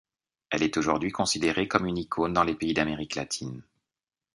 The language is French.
Elle est aujourd'hui considérée comme une icône dans les pays d'Amérique Latine.